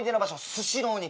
スシローに。